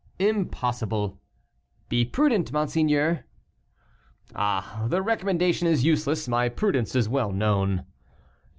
"Impossible." "Be prudent, monseigneur." "Ah! the recommendation is useless, my prudence is well known."